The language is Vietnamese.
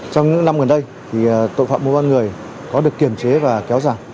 trong những năm gần đây tội phạm mô bán người có được kiểm chế và kéo dài